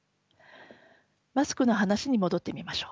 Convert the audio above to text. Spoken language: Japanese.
マスクの話に戻ってみましょう。